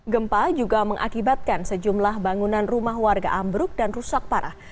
gempa juga mengakibatkan sejumlah bangunan rumah warga ambruk dan rusak parah